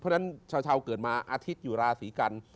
เพราะฉะนั้นชาวเกิดมาอาทิตย์อยู่ราศีกัน